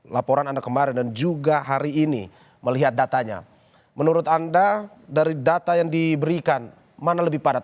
laporan anda kemarin dan juga hari ini melihat datanya menurut anda dari data yang diberikan mana lebih padat